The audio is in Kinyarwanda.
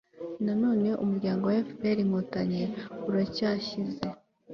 na none, umuryango fpr-inkotanyi uracyashyize